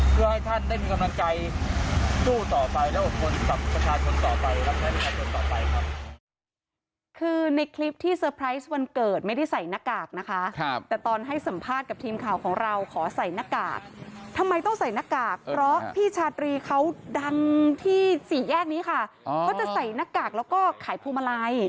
เพื่อให้ท่านได้มีกำลังใจสู้ต่อไปและอบควรกับประชาชนต่อไป